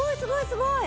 すごーい！